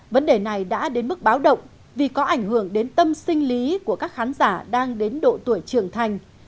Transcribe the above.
vấn đề này đã đến mức báo động vì có ảnh hưởng đến tâm sinh lý của các khán giả đang đến độ tuổi trưởng thành